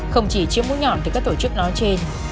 không chỉ chiếm mũ nhọn từ các tổ chức nói trên